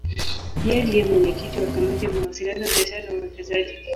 Yeye ndiye mwenyekiti wa Kamati ya Mawasiliano, Biashara na Uwekezaji.